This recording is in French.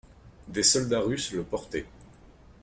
Des soldats russes le portaient.